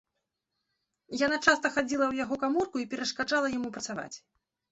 Яна часта хадзіла ў яго каморку і перашкаджала яму працаваць.